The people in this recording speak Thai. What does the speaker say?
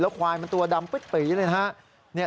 แล้วควายมันตัวดำปื๊ดปีเลย